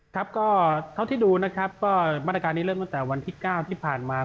ครับก็เท่าที่ดูนะครับก็มาตรการนี้เริ่มตั้งแต่วันที่๙ที่ผ่านมา